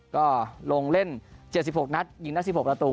ก็ลงเล่น๗๖นัดยิงได้๑๖ประตู